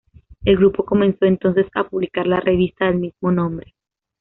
El grupo comenzó entonces a publicar la revista del mismo nombre.